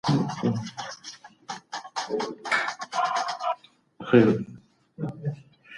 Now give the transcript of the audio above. وانمود کول د باور د پیل لاره ده.